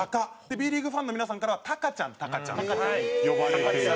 Ｂリーグファンの皆さんからは「タカちゃん」「タカちゃん」と呼ばれている。